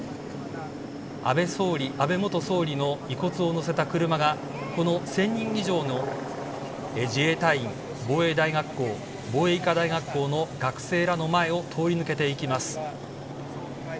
安倍元総理の遺骨を載せた車がこの１０００人以上の自衛隊員、防衛大学校防衛医科大学校の学生らの前を通り抜けていきます。